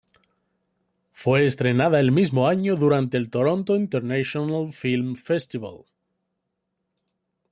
Fue estrenada el mismo año durante el Toronto International Film Festival.